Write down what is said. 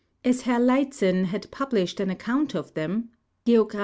As Herr Uytzen had published an account of them (Geogr.